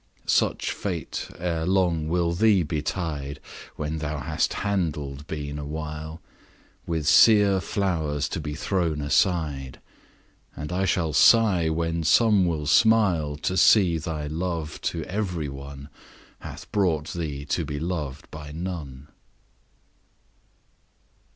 Such fate ere long will thee betide When thou hast handled been awhile, 20 With sere flowers to be thrown aside; And I shall sigh, while some will smile, To see thy love to every one Hath brought thee to be loved by none.